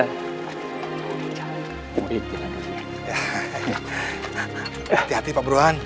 hati hati pak bruan